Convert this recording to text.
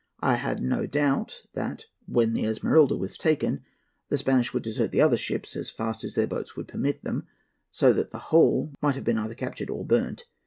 I had no doubt that, when the Esmeralda was taken, the Spaniards would desert the other ships as fast as their boats would permit them, so that the whole might have been either captured or burnt.